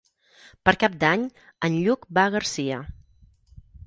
Per Cap d'Any en Lluc va a Garcia.